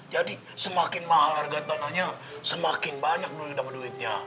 jadi semakin mahal harga tanahnya semakin banyak penulis nama duitnya